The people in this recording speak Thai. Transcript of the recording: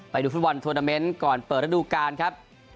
ไปดูฟุตบอลทวนาเมนต์ก่อนเปิดระดูการครับ